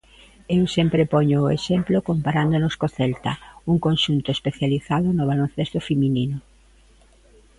Eu sempre poño o exemplo comparándonos co Celta, un conxunto especializado no baloncesto feminino.